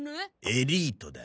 エリートだ。